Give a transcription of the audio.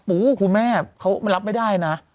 คุณแม่เขารับไม่ได้นะ